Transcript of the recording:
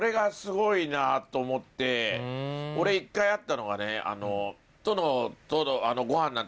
俺１回あったのがね。